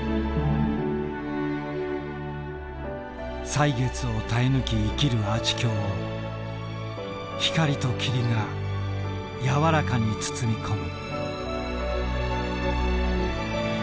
歳月を耐え抜き生きるアーチ橋を光と霧が柔らかに包み込む。